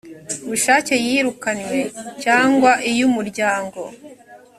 bushake yirukanywe cyangwa iyo umuryango